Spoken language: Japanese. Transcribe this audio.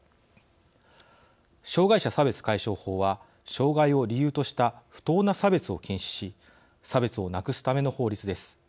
障害者差別解消法は障害を理由とした不当な差別を禁止し差別をなくすための法律です。